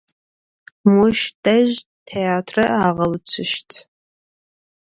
Moş dej têatre ağeutsuşt.